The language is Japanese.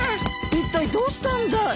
いったいどうしたんだい？